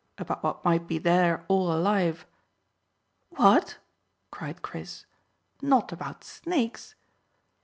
About what might be there all alive." "What!" cried Chris. "Not about snakes?"